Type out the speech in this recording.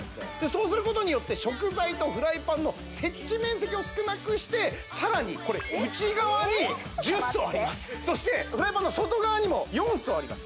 そうすることによって食材とフライパンの接地面積を少なくしてさらにこれ内側に１０層ありますそしてフライパンの外側にも４層あります